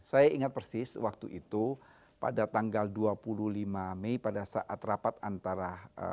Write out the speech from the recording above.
saya ingat persis waktu itu pada tanggal dua puluh lima mei pada saat rapat antara